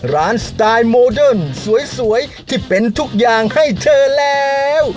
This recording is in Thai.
สไตล์โมเดิร์นสวยที่เป็นทุกอย่างให้เธอแล้ว